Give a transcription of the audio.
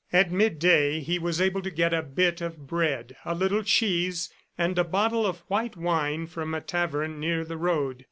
At midday he was able to get a bit of bread, a little cheese and a bottle of white wine from a tavern near the road.